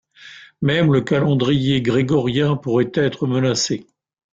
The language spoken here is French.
Même le calendrier grégorien pourrait être menacé.